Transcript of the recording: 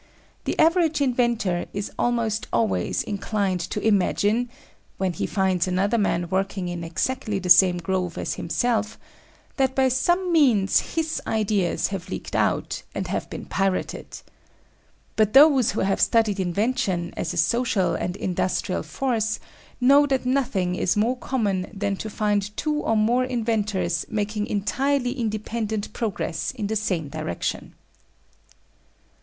The average inventor is almost always inclined to imagine when he finds another man working in exactly the same groove as himself that by some means his ideas have leaked out, and have been pirated. But those who have studied invention, as a social and industrial force, know that nothing is more common than to find two or more inventors making entirely independent progress in the same direction.